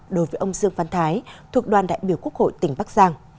đối với ông dương văn thái thuộc đoàn đại biểu quốc hội tỉnh bắc giang